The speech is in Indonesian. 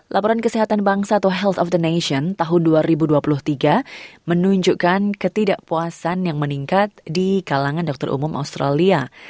laporan kesehatan bangsa atau health of the nation tahun dua ribu dua puluh tiga menunjukkan ketidakpuasan yang meningkat di kalangan dokter umum australia